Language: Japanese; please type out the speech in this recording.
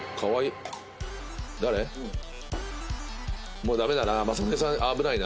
もうダメだな。